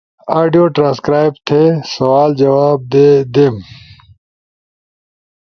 آڈیو ٹرانسکرائب تھے، سوال جواب دے، دیم